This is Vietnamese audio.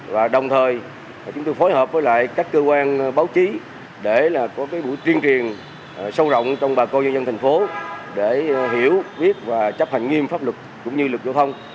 và đồng thời chúng tôi phối hợp với các cơ quan báo chí để có buổi truyền truyền sâu rộng trong bà con dân thành phố để hiểu biết và chấp hành nghiêm pháp lực cũng như lực giao thông